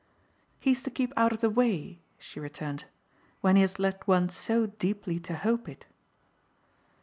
"He's to keep out of the way," she returned "when he has led one so deeply to hope it."